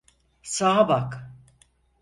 Sağa bak!